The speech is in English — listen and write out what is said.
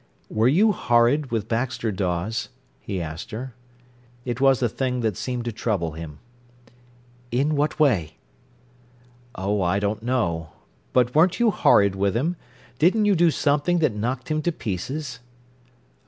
"Were you horrid with Baxter Dawes?" he asked her. It was a thing that seemed to trouble him. "In what way?" "Oh, I don't know. But weren't you horrid with him? Didn't you do something that knocked him to pieces?"